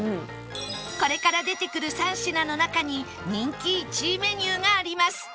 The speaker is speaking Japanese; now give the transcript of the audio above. これから出てくる３品の中に人気１位メニューがあります